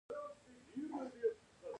د پکتیا په څمکنیو کې د څه شي نښې دي؟